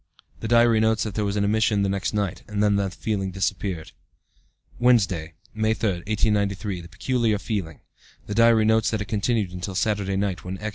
(The diary notes that there was an emission the next night, and that the feeling disappeared.) "Wednesday, May 3, 1893. The peculiar feeling. (The diary notes that it continued until Saturday night, when X.